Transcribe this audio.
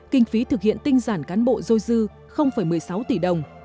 kinh phí thực hiện tinh giản cán bộ dôi dư một mươi sáu tỷ đồng